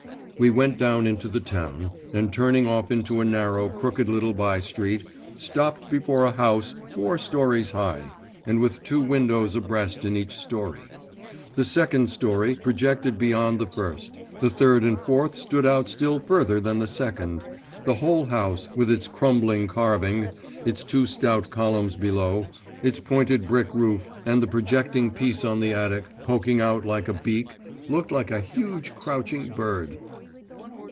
We went down into the town, and turning off into a narrow, crooked little by street, stopped before a house four storeys high, and with two windows abreast in each storey. The second storey projected beyond the first, the third and fourth stood out still further than the second; the whole house, with its crumbling carving, its two stout columns below, its pointed brick roof, and the projecting piece on the attic poking out like a beak, looked like a huge, crouching bird.